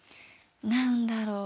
何だろう？